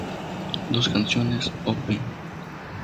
Dos canciones, op.